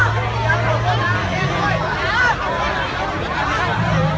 ก็ไม่มีเวลาให้กลับมาเท่าไหร่